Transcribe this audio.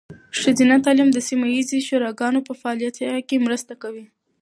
ښځینه تعلیم د سیمه ایزې شوراګانو په فعالتیا کې مرسته کوي.